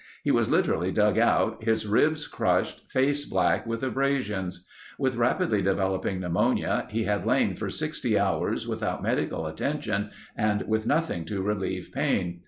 He was literally dug out, his ribs crushed, face black with abrasions. With rapidly developing pneumonia he had lain for 60 hours without medical attention and with nothing to relieve pain.